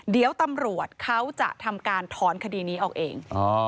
เดี๋ยวตำรวจเขาจะทำการถอนคดีนี้ออกเอง